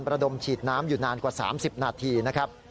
ระดมฉีดน้ำอยู่นานกว่า๓๐นาทีนะครับ